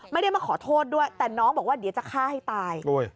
ไม่ได้มาขอโทษด้วยแต่น้องบอกว่าเดี๋ยวจะฆ่าให้ตาย